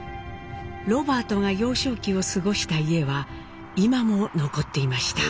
ロバートが幼少期を過ごした家は今も残っていました。